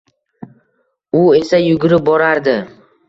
U esa yugurib borardi.